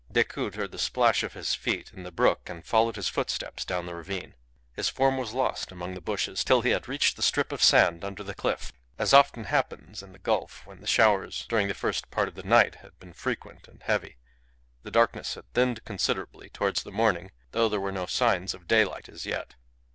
Decoud heard the splash of his feet in the brook and followed his footsteps down the ravine. His form was lost among the bushes till he had reached the strip of sand under the cliff. As often happens in the gulf when the showers during the first part of the night had been frequent and heavy, the darkness had thinned considerably towards the morning though there were no signs of daylight as yet.